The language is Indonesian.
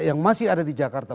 yang masih ada di jakarta